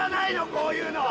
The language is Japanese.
こういうのは。